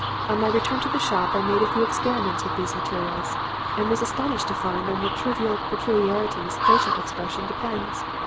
On my return to the shop I made a few experiments with these materials and was astonished to find on what trivial peculiarities facial expression depends.